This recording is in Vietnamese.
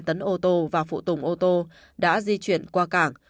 một trăm ba mươi hai tấn ô tô và phụ tùng ô tô đã di chuyển qua cảng